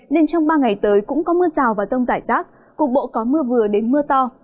nên trong ba ngày tới cũng có mưa rào và rông rải rác cục bộ có mưa vừa đến mưa to